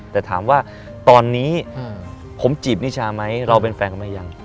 แต่ถามว่าตอนนี้ผมจีบนิชาไหมเราเป็นแฟนกันไหมยัง